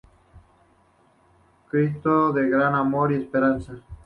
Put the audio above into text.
Cristo del Gran Amor y Esperanza".